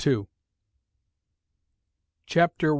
CHAPTER I.